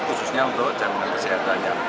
khususnya untuk jaminan kesehatannya